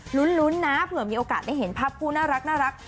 ลุ้นนะเผื่อมีโอกาสได้เห็นภาพคู่น่ารัก